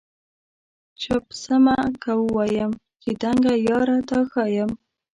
چپ سمه که ووایم چي دنګه یاره تا ښایم؟